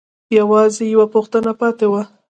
يوازې يوه پوښتنه پاتې وه.